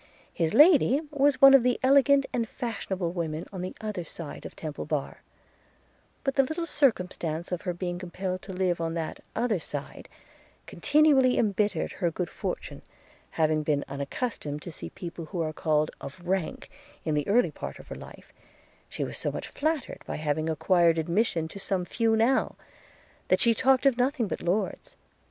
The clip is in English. His lady was one of the elegant and fashionable women on the other side of Temple bar; but the little circumstance of her being compelled to live on that other side, continually embittered her good fortune: having been unaccustomed to see people who are called of rank, in the early part of her life, she was so much flattered by having acquired admission to some few now, that she talked of nothing but lords.